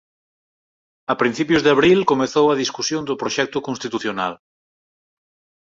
A principios de abril comezou a discusión do proxecto constitucional.